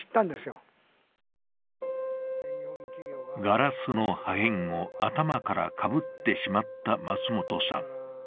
ガラスの破片を頭からかぶってしまった松本さん。